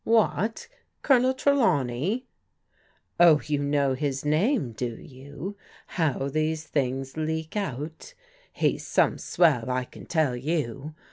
"What, Colonel Trelawney?" " Oh, you know his name, do you? How these things leak out. He's some swell, I can tell you.